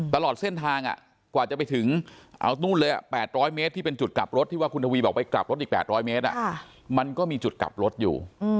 ตลอดเส้นทางกว่าจะไปถึงเอานู่นเลย๘๐๐เมตรที่เป็นจุดกลับรถที่ว่าคุณทวีบอกไปกลับรถอีก๘๐๐เมตรมันก็มีจุดกลับรถอยู่